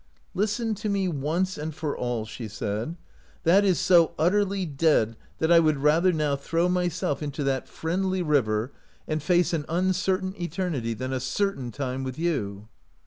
" Listen to me once and forever," she said. " That is so utterly dead that I would rather now throw myself into that friendly i47 OUT OF BOHEMIA river, and face an uncertain eternity than a certain time with you."